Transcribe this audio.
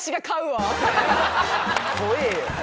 怖えぇよ。